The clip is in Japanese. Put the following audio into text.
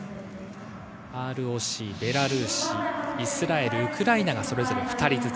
ＲＯＣ、ベラルーシ、イスラエル、ウクライナが２人ずつ。